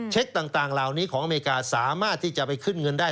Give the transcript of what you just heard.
ต่างเหล่านี้ของอเมริกาสามารถที่จะไปขึ้นเงินได้